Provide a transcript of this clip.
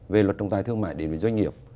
về luật trọng tài thương mại đến với doanh nghiệp